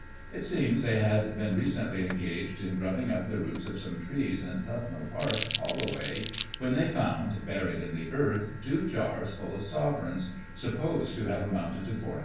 It seems they had been recently engaged in grubbing up the roots of some trees in Tufnell Park, HoUoway, when they found, buried in the earth, two jars full of sovereigns, supposed to have amounted to ;£'4C».